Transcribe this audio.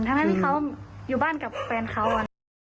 ทำให้ให้เค้าอยู่บ้านกับแฟนเค้า